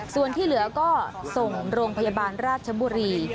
ส่วนที่เหลือก็ส่งโรงพยาบาลราชบุรี